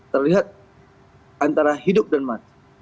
terlihat antara hidup dan mati